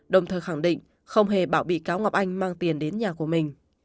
đồng thời khẳng định không hề bảo bị cáo ngọc anh mang tiền đến nhà của mình